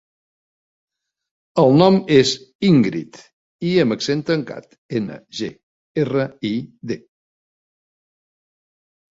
El nom és Íngrid: i amb accent tancat, ena, ge, erra, i, de.